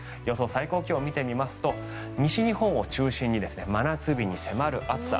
最高気温を見てみますと西日本を中心に真夏日に迫る暑さ。